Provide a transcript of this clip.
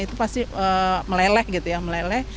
itu pasti meleleh gitu ya meleleh